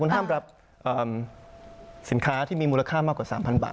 ห้ามรับสินค้าที่มีมูลค่ามากกว่า๓๐๐บาท